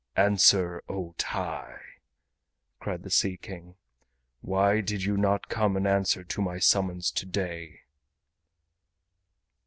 "Answer, O TAI!" cried the Sea King, "why did you not come in answer to my summons today?"